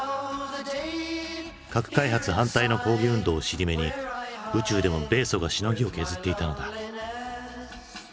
核開発反対の抗議運動を尻目に宇宙でも米ソがしのぎを削っていたのだ。